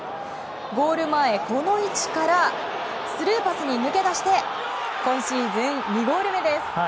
ゴール前、この位置からスルーパスに抜け出して今シーズン２ゴール目です。